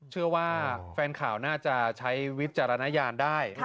เชื่อว่าแฟนข่าวน่าจะใช้วิจารณญาณได้